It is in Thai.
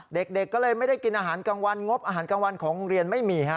เด็กก็เลยไม่ได้กินอาหารกลางวันงบอาหารกลางวันของโรงเรียนไม่มีฮะ